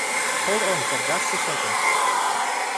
Hold on for just a second.